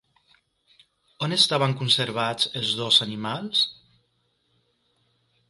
On estaven conservats els dos animals?